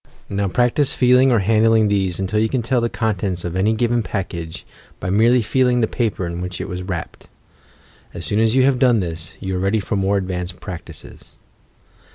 Now practise feeling or handling these until you can tell the contents of any given package by merely feeling the paper in which it is wrapped. As soon as you have done this, you are ready for more advanced practices.